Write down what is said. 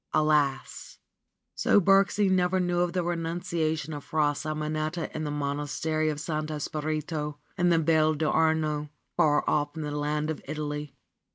Alas ! So Birksie never knew of the renunciation of Fra Simonetta in the Monastery of Santo Spirito in the Val d'Arno, far off in the land of Italy.